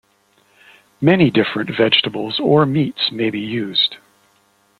Many different vegetables or meats may be used.